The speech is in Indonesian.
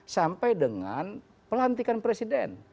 sampai dengan pelantikan presiden